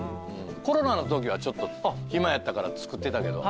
コロナのときはちょっと暇やったから作ってたけど。